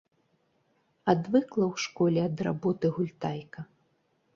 Адвыкла ў школе ад работы, гультайка.